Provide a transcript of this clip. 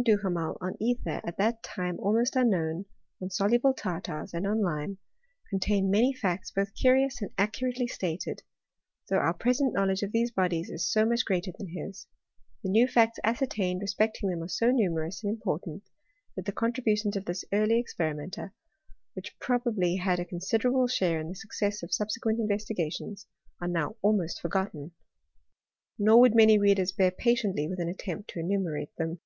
Duhamel on ether, at that time almost unknown, on soluble tartars, and on lime, con tain many facts both curious and accurately stated ; though our present knowledge of these bodies is so much greater than his — the new facts ascertained re specting them are so numerous and important, that the contributions of this early experimenter, which pro bably had a considerable share in the success of sub sequent investigations, are now ahnost forgotten. Nor would many readers bear patiently with an* attempt to enumerate them.